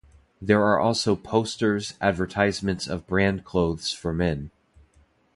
There are also posters, advertisements of brand clothes for men.